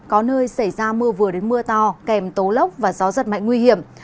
có nơi xảy ra mưa vừa đến mưa to kèm tố lốc và gió giật mạnh nguy hiểm